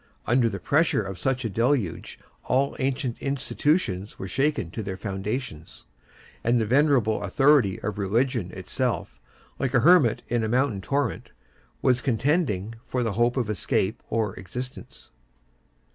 Under the pressure of such a deluge all ancient institutions were shaken to their foundations; and the venerable authority of Religion itself, like a Hermit in a mountain torrent, was contending for the hope of escape or existence.